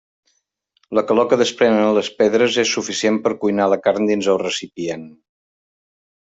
La calor que desprenen les pedres és suficient per cuinar la carn dins el recipient.